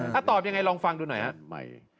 ถ้าตอบยังไงลองฟังดูหน่อยครับ